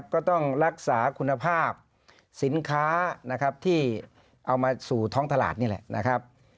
ก็ต้องรักษาคุณภาพสินค้าที่เอามาสู่ท้องตลาดนี่แหละ